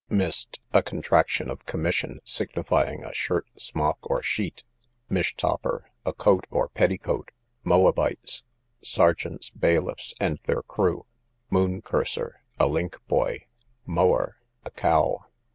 Mist, a contraction of commission, signifying a shirt, smock or sheet. Mishtopper, a coat or petticoat. Moabites, sergeants, bailiffs, and their crew. Moon curser, a link boy. Mower, a cow.